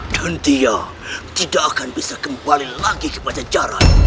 dan dia tidak akan bisa kembali lagi ke bacajaran